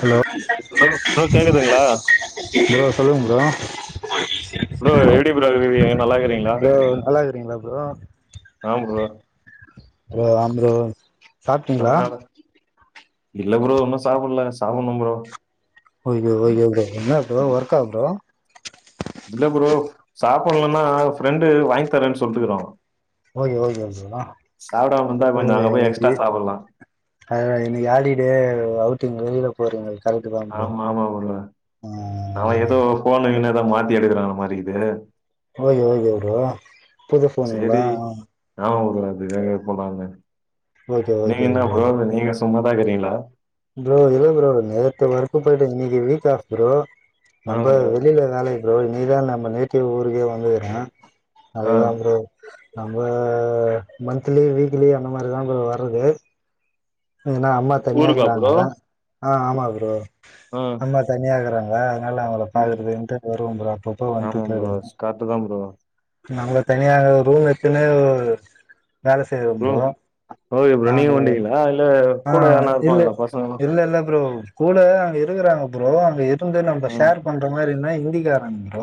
Hello bro கேக்துங்களா bro சொல்லுங்க bro எப்படி ப்ரோ நல்லா இருறீங்களா ப்ரோ ப்ரோ நல்லா இருக்கிறீங்களா ப்ரோ ஆ ப்ரோ ப்ரோ ஆம் ப்ரோ சாப்ட்டீங்களா [unintelligible] இல்ல ப்ரோ இன்னும் சாப்பிடல சாப்புனும் ப்ரோ ஒய் ஒய் என்னா ப்ரோ ஒர்க்கா ப்ரோ இல்ல ப்ரோ சாப்பிடலன்னா ஃப்ரெண்டு வாங்கி தரேன்னு சொல்லிட்டுக்கிறான் ஓகே ஓகே இருந்தா கொஞ்சோ அங்க போய் எக்ஸ்ட்ரா ஓக்கு சாப்புட்லா இன்னைக்கு ஹாலிடே அவுட் நீங்க வெளில போறீங்க கரெக்ட் தான் ப்ரோ ஆமா ஆமா புரோ ஆ நான் அதுதா ஏதோ போனுகீனு அதான் மாத்தி எடுக்கறான் மாரி இது ஓய் ய் எவடு புது போனுங்களா வேறது போலானு ஓகே நீங்க ஓகே என்ன ப்ரோ புரோ நீங்க சும்மாதான் இருக்கிறீங்களா ப்ரோ இல்ல ப்ரோ நேத்து ஒர்க் போயிட்டு இன்னைக்கு வீக் ஆப் ப்ரோ ஆ நம்ம ப்ரோ வெளியில வேலக்கி புரோ இன்னைக்கு தான் நம் நேட்டி ஊருக்கே வந்து வந்துர ஆ அதுதான் ப்ரோ நம்ம மந்த்த்லி வீக்லி அந்த மாரிதான் இப்ப வர்றது ஏன்னா அம்மா ஊருக்கா ப்ரோ தனியாகிறாங்களா ஆஹ் ஆமா ப்ரோ ஆ அம்மா தனியாகறங்க வா அதனால அவங்கள ம் பாக்குறது வரும் அப்பப்ப ஆமா வந்துட்டு ப்ரோ போயிடுவன் கரெக்ட்டு தா ப்ரோ நம்மள தனியாக ரூம் ஏத்துன்னு ஹம் ஓகே ப்ரோ நாங்க நீங்க [inaudible] இல்ல ஆ கூட யார்னா இல் இருப்பாங்களா பசங்கலா இல்லாப்ரோ கூடா அங்கே இருக்கிறாங்க ப்ரோ அங்க இரு வந்து நம்ம ஷேர் பண்ற மாரினா இங்க ஹிந்தி காரங்க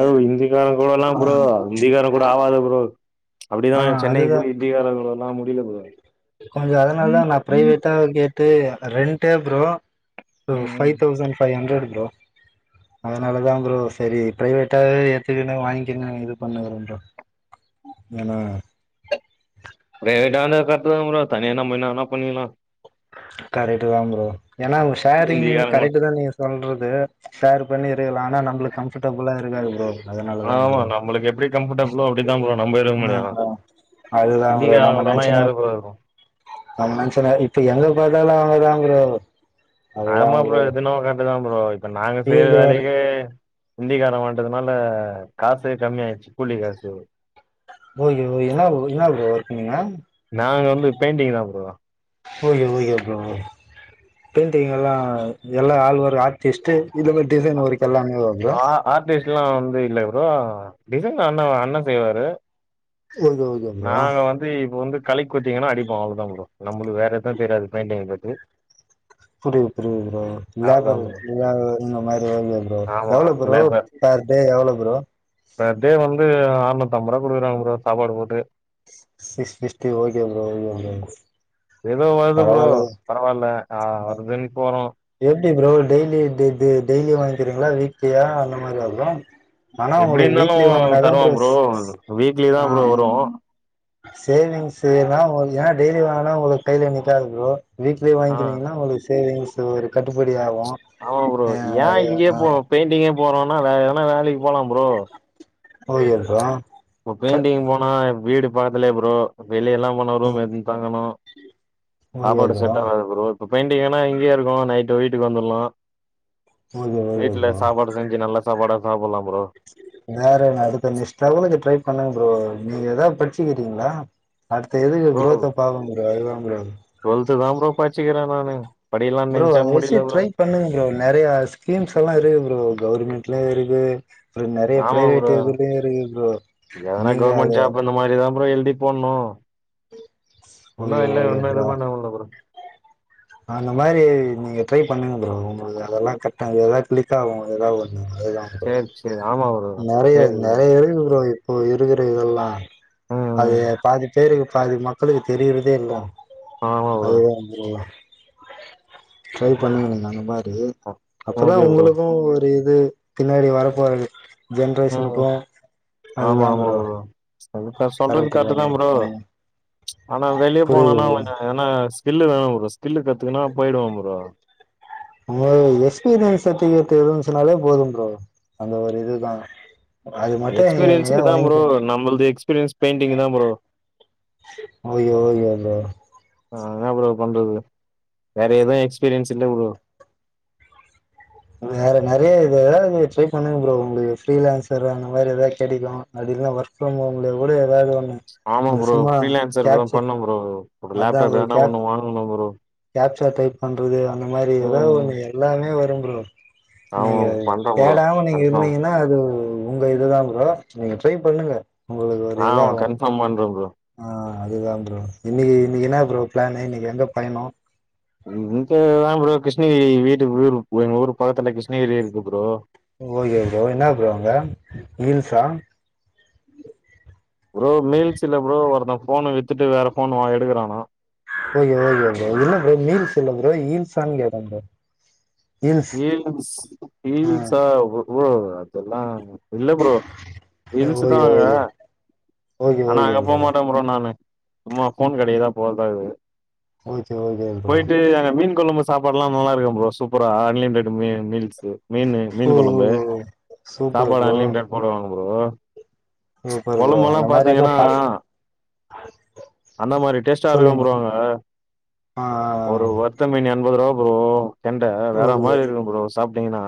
ஒவ் ஹிந்தி காரங் கூட எல்லாம் ப்ரோ இந்திகார கூட ஆவது ப்ரோ அப்டிதான் சென்னைக்கி போய் ஹிந்திகார குடுடலாம் கொஞ்சம் அதனால தான் நான பிரைவேட்டா கே ட்டு ரெண்டே ப்ரோ ஓ ம் five thousand five hundred bro அதனாலதான் ப்ரோ செரி பிரைவேட்டாவே ஏத்துக்கு வாங்கிக்குனு இது பண்ணுங்கறோன் ப்ரோ ஏன்னா லேட்டானது கரெக்ட் தான் ப்ரோ தனிய நம்ப என்ன வேணா பண்ணிகலாம் கரெக்ட் தான் ப்ரோ ஏன்னா ஷேரிங்ன்னு ஹிந்திக்காரங்க கரெக்ட் தான் நீங்க சொல்றது ஷேர் பண்ணி இருகால ஆனா நம்மளுக்கு கம்பபர்டபுளா இருக்காது ப்ரோ அதனால தான் ஆமா ப்ரோ நமளுக்கு எப்டி கம்ஃபர்டபிளோ அப்டி தான் ப்ரோ நம்ம இருக்க ஆ முடியு அதுதான் ப்ரோ ஹிந்திக்காரங்க நம்ம கூடல்லா நச்சன யாரு ப்ரோ இருக்கு நம்ம நச்சன இப்ப எங்க பாத்தாலும் இப்பதாபிரோ ஆமா ப்ரோ அதுனாவோ கர்ட் இதான் ப்ரோ இப்ப நாங்க செய்யற ஃபீல்டு வேற வேலக்கே ஹிந்திக்காரன் வாட்டதுனால காசு கம்மிய ஆயிடுச்சு கூலி காசு ஓய ய் என்னா என்ன ஒர்க பண்ணீங்க நாங்க வந்து பெயிண்டிங் தான் bro okay okay bro painting எல்லாம் எல்லா ஆழ்வ ஆர்டிஸ்ட் ஆர்டிஸ்ட் எல்லாம் வந்து இல்ல ப்ரோ டிசைன் அண்ண அண்ணன் செய்வாரு ஓகே ஓகே ப்ரோ நாங்க வந்து இப்ப வந்து கலக்கி குத்தீங்கன்னா அடிப்ப அவளதான் ப்ரோ நம்மளுக்கு வேற எதுவும் தெரியாது பெயிண்டி பத்தி புரியது புரியது ப்ரோ அவ்ளோதா லேபர் ப்ரோ இந்த மாரி ப்ரோ ஆமா எவ்வளோ ப்ரோ லேபர் பர் டே எவ்வளவு ப்ரோ அறுநூத்திஐம்பது ரூபா குடுக்குறாங்க சாப்பாடு போட்டு six sixty okay bro okay bro ஏதோ வருது ப்ரோ பரவால்ல பரவாயில்ல ஆஹ் வருதுன்னு போறோம் எப்படி ப்ரோ டெய்லி டெய்லி வாங்கிக்கிறீங்களா வீக்லியா அந்த மாரி வரும் எப்படி இருந்தாலும் தருவம் ப்ரோ வீக்லி தான் ப்ரோ வரும் சேவிங்ஸ் எல்லாம் ஏன்னா டெய்லி வாங்கனா உங்களுக்கு கையில நிக்காது ப்ரோ வீக்லே ஆ வாங்கனீங்கன்னா உங்களுக்கு சேவிங்ஸ் ஒரு கட்டுப்படி ஆகும் ஆமா ப்ரோ ஏன் இங்கயே போ பெயிண்டிங்க போறோம்னா வே ஏன்னா வேலைக்கு போலாம் ப்ரோ ஓய்யது [unintelligible] இப்ப பெயிண்டிங் போனா வீடு பக்கத்தல ப்ரோ வெளிய எல்லாம் போன ரூம் எது தாங்கணும் சாப்பாடு செட்டாகாது ப்ரோ இப்ப பெயிண்டிங்கன்னா இங்கேயே இருக்கும் நைட் வீட்டுக்கு வந்துடலாம் வீட்டு்ல சாப்பாடு செஞ்சு நல்லா சாப்பாட சாப்பிலாம் வேறே அடுத்த நஷ்டால ட்ரை பண்ணங்க ப்ரோ நீங்க ஏதாவது படிச்சுக்கிறீங்களா அடுத்த எதுக்கு ப்ரோ குரோத்த பாக்கனும் ப்ரோ அதுதான் ப்ரோ டுவெல்த்து தா ப்ரோ [unintelligible] ப்ரோ நெனச்சா அத வச்சு முடில ப்ரோ ட்ரை பண்ணுங்க ப்ரோ நிறைய ஸ்கீம்ஸ் எல்லாம் இருக்கு ப்ரோ கவர்மெண்ட்லய இருக் அது அப்பறம் நிறைய ஆமா ப்ரோ பிரைவேட்யும் இருக்கு இப்பறோ நீங்க அத அப்பறம் எழுதி போடணும் ஒன்னா ஓகே இல்ல ஓகே ஒன்னா ப்ரோ இதுவ அந்த மாரி நீங்க ட்ரை பண்ணுங்க ப்ரோ உங்களுக்கு அதெல்லாம் கத கிளிக்காதாவும் ஒ அதுதான் ப்ரோ சேரி சேரி ஆமா ப்ரோ நெறைய சேரி ப்ரோ நெறைய இப் இப்ப இருக்கிற இதெல்லாம் ம் அது ம் பாதி பேருக்கு பாதி மக்களுக்கு தெரியிறதே இல்ல ஆமா ப்ரோ அது தான் ப்ரோ ட்ரை பண்ணுங்க அந்த மாரி ஓகே அப்பதான் ப்ரோ உங்களுக்கும் ஒரு இது பின்னாடி வர போறது ம் ஜென்ரேஷனுக்கும் அதுதான் ப்ரோ அதுக்க சொல்றது கரெக்ட் கரட்டு தாங்க தான் ப்ரோ ம் ஆனா வெளியே போனேனா புரியுது ப்ரோ கொஞ்சம் என்னா ஸ்கில்லு வேணும் ப்ரோ ஸ்கில்லு கத்துக்கனா போயிடுவோன் ப்ரோ எஸ்பீரியன்ஸ்சட்பிகேட் இருந்ச்சுனாலே போதும் ப்ரோ அந்த ஒரு இதுதான் எக்ஸ்பீரியன்ஸுக்கு தான் ப்ரோ நம்மளது எக்ஸ்பீரியன்ஸ் பெயிண்டிங் தான் ப்ரோ [inaudible] ஆஹ நான என்ன ப்ரோ பண்றது வேற எதுவும் எக்ஸ்பீரியன்ஸ் இல்ல ப்ரோ வேற நெறைய இது எதாவது ட்ரை பண்ணுங்க ப்ரோ உங்களுக்கு ரீலான்சர் அந்த மாரி ஏதாவ கெடைக்கும் அடல்லாம் ஒர்க் ஃப்ரம் ஹோம்ல கூட ஏதாவது ஒண்ணு ஆமாம் இந்த ப்ரோ சும்மா பஃரீலான்ஸ்தான் கேப்சர் பண்ணும் ப்ரோ ப லேப்டாப் ஏதனா ஒண்ணும் வாங்கணும் ப்ரோ ஆப்ஸ் டைப் பண்ணறது அந்த மாரி ஏதோ ம். ஒண்ணு எல்லாமே வரும் [inaudible] ஆமா நீங்க பண்றேன் ப்ரோ. தேடாம நீங்க கன்ஃபார்ம். இருந்தீங்கன்னா அது உங்க இதுதான் ப்ரோ நீங்க ட்ரை பண்ணுங்க உங்களுக்கு ஒரு ஆ இதாகு கன்ஃபார்ம் பண்ரேன் ப்ரோ ஆ அதுதான் ப்ரோ இன்னைக்கி இன்னைக்கி என்ன ப்ரோ பிளான் இன்னைக்கி எங்க பயணம் இங்க வே ப்ரோ கிருஷ்ணகிரி வீட்டுக்கு எங்க ஊர் பக்கத்துல கிருஷ்ணகிரி இருக்கு ப்ரோ ஓகே ப்ரோ என்ன ப்ரோ அங்க ஹீல்ஸா ப்ரோ மீல்ஸ் இல்ல ப்ரோ ஒருத்தன் போன் வித்துட்டு வேற போன் வா எடுக்றானா ஓகே ஓகே ப்ரோ மீல்ஸ் இல்ல ப்ரோ ஹீல்ஸ்ஸான்னு கேட்டேன் ப்ரோ ஹில்ஸ் ஆ ஹில்ஸ் ச உ ஓ அதெல்லாம் இல்ல ப்ரோ ஹீல்ஸ் தான் ஓகே அங்க ஓகே ஓகே ஆனா ஓகே அங்க போகமாட்டேன் ப்ரோ நானு ஆமா போன் கடைக்கு தான் போறதா இருக்கு ஓகே ஓகே ப்ரோ போயிட்டு அங்க மீன் கொழம்பு சாப்பாடுல்லாம் நல்லா இருக்கும் ப்ரோ சூப்பரா மீல்லி மீ மீல்ஸ் மீனு ஓ மீனு கொழம்பு ஓ ஓ சூப்பர் சாப்பாடு ப்ரோ அன்லிமிட் போடுவாங்க ஓ சூப்பர் ப்ரோ அந்த மாரிதா பாஸ் [unintelligible] அந்த மாரி டேஸ்டா இருக்கு சொல்லுங்க ப்ரோ அங்க ஆ ஆ ஒரு ஆ வருத்த மீனு எண்பது ரூபா ப்ரோ கெண்ட வேற ஓகே மாரி இருக்கு ப்ரோ சாப் தேனா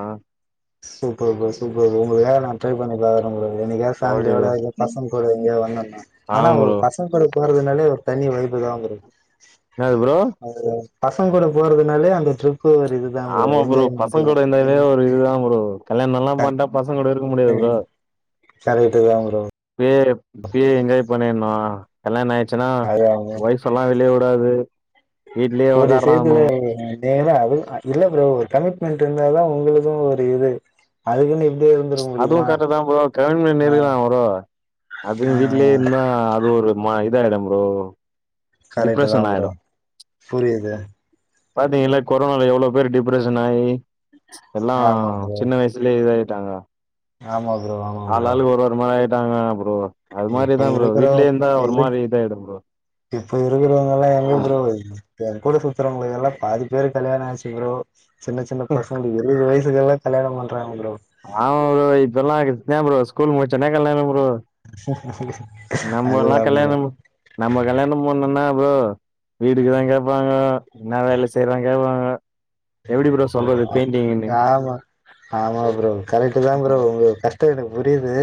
சூப்பர் ப்ரோ சூப்பர் ப்ரோ இப்பவேனா ட்ரை பண்ணி பாக்குற ப்ரோ என்னிக்காவது பேமிலியொட ஆமா இல் பசங்கூட எங்கியோ வந்தோனா அனா ஒர் ப்ரோ பசங்கூட போறதுனாலே ஒரு தனி வைப் இதான் ப்ரோ என்னது ப்ரோ பசங்கூட போறதுனாலே அந்த ட்ரிப் கோ ஒரு இதுதான் ப்ரோ என்ஜாய்மெண்ட்டு கல்யாணலா பண்டா பசங்கூட இருக்க முடியாது ப்ரோ கரெக்ட்டு தான் ப்ரோ இப்பயே இப்பயே என்ஜாய் பண்ணிற்னும் ஆஹ கல்யாண ஆயிச் ச்சனா அதா ஒய்ஃப்ல்லாம் வெளியவுடாது வீட்லயே ஒக்கரானும் ஏங்க அது இல்ல ப்ரோ ஒரு கமிட்மெண்ட் இருந்ததா உங்களும் ஒரு இது அதுக்குன்னு இப்டியே இருந்துட அதுவும் முடியுமா கரெட்டுதா ப்ரோ கிளம்பி ஆ நின்னுக்கிறா அது ஆ வீட்லே இருந்தா அது ஒரு மா எந்த இடம் ப்ரோ கரெக்ட்டுதா டிப்ரெஷன் ப்ரோ புரியுது பாத்தீங்ளா கொரோன்ல எவ்வுளோ பேரு டிப்ரெஷன் ஆயி எல்லா ஆமா ப்ரோ சின்ன வயசுலே இதாய்ட்டாங்க ஆமா ப்ரோ ஆமா ஆள் ப்ரோ ஆளுக் ஒரு ஒருமாரி ஆய்ட்டாங்க போ இப்ப இருக்கற ப் இப்ப இரு இதாயிடு ப்ரோ இப்ப இருக்கறவங்கலா எங்க ப்ரோ எங்கூட சுத்துறவங்களுக்கு எல்லாம் பாதி பேருக்கு கல்யாணம் ஆச்சு ப்ரோ சின்ன சின்ன பசங்க இருவது வயஸ் க்கல்லா கல்யாண பண்றாங்க ப்ரோ ஆம ப்ரோ இப்பல்லாம் நா ப்ரோ ஸ்கூல் முடிச்ச ஒடன கல்யாண அதுதா நம்ல்லாம் ப்ரோ கல்யாணம் நம்ம கல்யாணம் போனோம்னா உம் வீடுக்குதான் கேட்பாங்க என்ன வேல செய்றாங்க கேட்பாங்க எப்படி ப்ரோ சொல்றது பெயிண்டிங்கன்னு ஆமா ஆமா ப்ரோ கரெட் தான் ப்ரோ உங்க கஷ்ட தெரியுது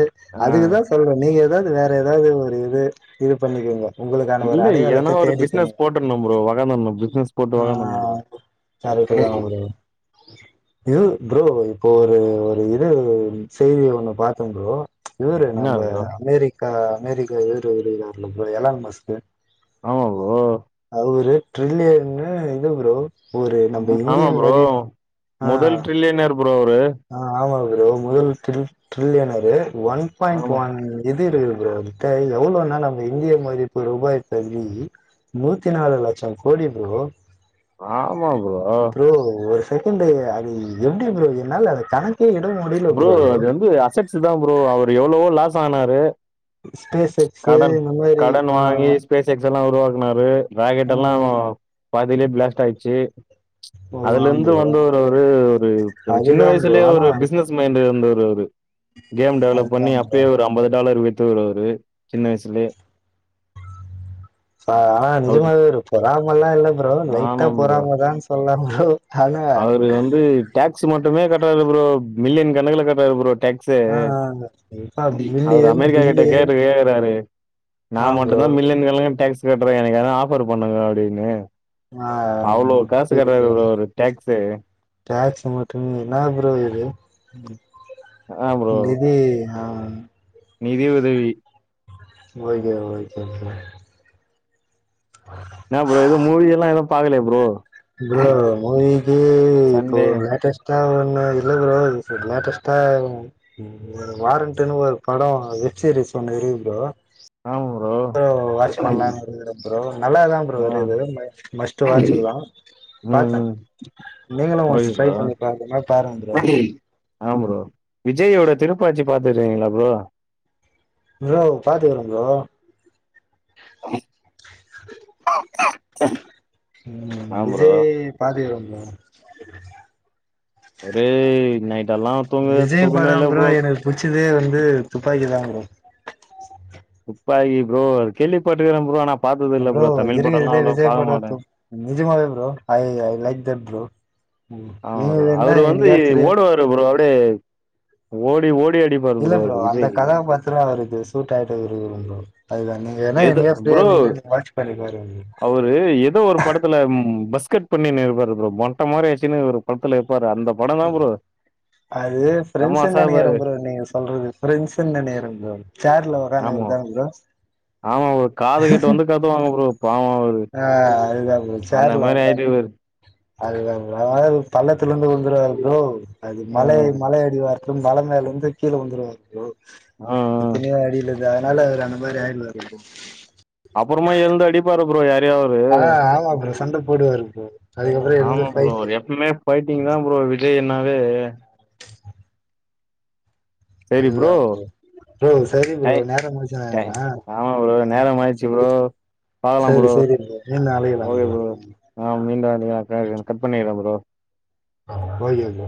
ஆ. அதுக்குதான் சொல்றேன் நீங்க எது எதாவது வேற எதாவது ஒரு இது இது பண்ணிக்கோங்க உங்களுக்கான ஒரு இல்ல எதனா அடையாளத்த ஒரு பிசினஸ் தேடிக்கோங்க போட்டுணும் ப்ரோ வளந்துரணும் பிசினஸ் போட்டு வளந்துணும் ப்ரோ இப்ப தா ப்ரோ ஒரு இது ப்ரோ செய்தி ஒண்ணு பாத்தன் ப்ரோ இவரு என்ன நம்ம ப்ரோ அமெரிக்கா ரா அமெரிக்கா வேறு வோர்ல எளாம் மஸ்க்க ஆமா ப்ரோ ஒரு ட்ரில்லியன் இது ஒரு ப்ரோ நம்ம ஆமா இந்தியன் ப்ரோ முதல் டிரில்லியனர் ஆஹ் ஆமா ப்ரோ முதல் ட்ரீ ட்ரிலியணர் [inaudible] ஒன் பாயிண்ட் ஆமா ஒன் இது இருக்கு எவ்வளோன்னா நம்ம இந்திய மதிப்பு ரூபாய் படி நூத்தி நாலு லட்சம் கோடி ப்ரோ ஆமா ப்ரோ செகண்ட அது எப்டி ப்ரோ என்னால அது கணக்கு ப்ரோ அது வந்து அசட்ஸ் தான் ப்ரோ அவர் எவ்ளோவோ லாஸ்ட் ஆனாரு ஸ்பேஸ் எக்ஸ் கடன் இந்த மாதிரி கடன் வாங்கி ஆஹ் ஸ்பேஸ் எக்ஸ் எல்லா உருவாக்குனாரு ராக்கெட் எல்லாம் பாதிலயே பிளாஸ்ட் ஆயிடுச்சி ஓ அதுல ஆம் இருந்து ப்ரோ வந்து ஒரு ஒரு ஒரு சின்ன அதுதா ப்ரோ வயசுலயே ஆனா ஒரு பிசினஸ் மைண்ட் ஒரு ஒரு கேம் டெவலப் அதுதா பண்ணி ப்ரோ அப்படியே ஒரு அம்பது டாலர் வெத்து தோ அவரு சின்ன வயசிலே ஆனா நிஜமரு பொறாமல்லா இல்ல ப்ரோ லைட்டா ஆமா ப்ரோ பொறம தான்னு சொல்ல ஹவோ அவரு வந்து டேக்ஸ் மட்டுமே க ட்டுவரு ப்ரோ மில்லியன் கணக்குல கட்டுவாரு ப்ரோ டாக்ஸ் ஆ ஆ இப்ப அவர் பில்லியன் அமெரிக்கா கிட்ட பில்லியன் கேட்டு கேறாரு ஆ நான் ப்ரோ மட்டும் தான் மில்லியன் கணக்குல டாக்ஸ் கட்டுற எனக்கு ஏன்னா ஆஃபர் பண்ணுங்க அப்படின்னு ஆஹ் புரிது அவரு டேக்ஸு டாக்ஸ் மட்டுமே என்ன ப்ரோ இது அஹ் ப்ரோ ஆஹ் நிதி உதவி ஓகே ஓகே ப்ரோ நா ப்ரோ ஏத மூவி எல்லாம் எதுவும் பாக்கலயா ப்ரோ ப்ரோ மூவீக்கி இப்போ சண்டே லேட்டஷ்டா ஒண்ணு இல்ல ப்ரோ லேட்டஸ்டா வாரண்டன்னு ஒரு படம் வெப் சீரிஸ் ஒண்ணு இருக்கு ப்ரோ ப்ரோ வாட்ச் பண்ணலான்னு இருக்க ப்ரோ நல்ல தான் ப்ரோ ஆ இருக்குது மஸ்ட் வாட்சதான் ம் பார்த்தேன் ம் நீங்களும் ஓகே ட்ரை ப்ரோ பண்ணி பாக்கிறதுனா பாருங்க ப்ரோ விஜய்யோட திருப்பாச்சி பாத்துக்கீங்களா அ ப்ரோ ப்ரோ பாத்துகுற ப்ரோ [inaudible] [inaudible] [inaudible] உம் ஆமா ப்ரோ விஜய் பத்துக்குற ஆஹ் ஒரு நைட் எல்லா தூங்கவே விஜய் பட தூக்கமே இல்ல ப்ரோ எனக்கு புச்சதே வந்து இது துப்பாக்கி தான் ப்ரோ துப்பாகி ப்ரோ கேள்வி பட்டுக்கறேன் ப்ரோ ஆனா பாத்தது இல்ல ப்ரோ தமிழ் படம்லா இருகதுல அவ்ளோ விஜய் பாக்க மாட்டே படத்து நஜமாவே bro I I like that bro ம் ஆ நீங்க வேன்னா அவரு வந்து என்னைக்கா ஃப்ரீயா ஓடுவாரு ப்ரோ டு ஓடி ஓடி அடிப்பாரு இல்ல ப்ரோ அவரு அந்த விஜய் கதாபாத்திரம் அவர் இது [unintelligible] எது ப்ரோ பண்ணி பாருங்க அவரு ஏதோ ஒரு படத்துல பஸ்கட் பண்ணினு இருபாரு ப்ரோ மொட்ட மாரி அடிச்சு ஒரு படத்துல இருப்பாரு. அந்த படம் தான் ப்ரோ. அது ஃப்ரெண்ட்ஸ்னு தமாஷா இருப்பாரு. நெனைக்கிறேன் ப்ரோ நீங்க சொல்றது ஃப்ரெண்ட்ஸ் நெனைக்கிறேன் ப்ரோ சேர்ல உக்காந்து ஆமா. இருப்பாங்க ப்ரோ ஆமா ஒரு காது கேட்டு வந்து கத்துவாங்க ப்ரோ பாவும் அவுரு ஆ [unintelligible] அந்த மாரி ஆயிட்டு இவரு அதுல எவ்ளோவ் பள்ளத்துல இருந்து உழுந்துருவாரு ப்ரோ அது ஆ, மலை மலை அடிவாரம் மழ மேல இருந்து கீழ உழுந்துருவாரு ப்ரோ ஆ, ஆ. எத்தனையோ அடில இது அதனால அந்த மாரி ஆயிடுவாரு ப்ரோ அப்புறமா எழுந்து அடிப்பாரு ப்ரோ யாரையோ அவரு ஆ ஆமா ப்ரோ சண்ட போடுவாரு ப்ரோ அதுக்கப்புறோ எழுந்து ஆமா ப்ரோ ஃபைட்டு எப்பவுமே ஃபைட்டிங் தான் ப்ரோ விஜய் அண்ணா [unintelligible] சரி ப்ரோ ப்ரோ சரி ப்ரோ டைம் நேரம் டைம் முடிஞ்சுதுனா ஆ ஆமா ப்ரோ நேரம் ஆ, ஆயிடுச்சு ப்ரோ சரி பாக்கலாம் சரி ப்ரோ சரி மீண்டும் அழைக்கலாம் ஓகே ப்ரோ ஆஹ் மீண்டும் கட் பண்ணிக்றேன் ப்ரோ ஒகே ப்ரோ